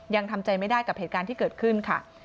ยังทำใจไม่ได้กับเหตุการณ์ที่เกิดขึ้นค่ะ